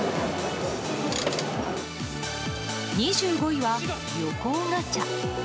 ２５位は旅行ガチャ。